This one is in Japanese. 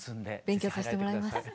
勉強させてもらいます。